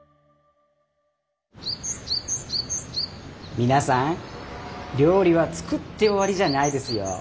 皆さん料理は作って終わりじゃないですよ。